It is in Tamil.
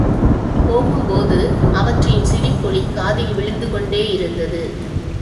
போகும்போது, அவற்றின் சிரிப்பொலி காதில் விழுந்து கொண்டேயிருந்தது.